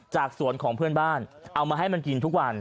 สวนของเพื่อนบ้านเอามาให้มันกินทุกวัน